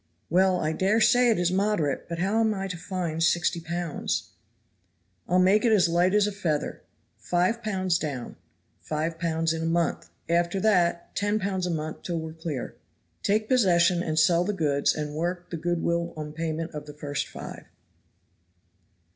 "Well, I dare say it is moderate, but how am I to find sixty pounds?" "I'll make it as light as a feather. Five pounds down. Five pounds in a month; after that ten pounds a month till we are clear. Take possession and sell the goods and work the good will on payment of the first five."